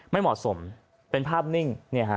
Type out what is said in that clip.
ไม่เหมาะสมเป็นภาพนิ่ง